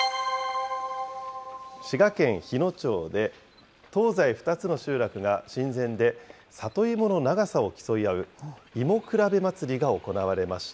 滋賀県日野町で、東西２つの集落が神前で里芋の長さを競い合う、芋くらべ。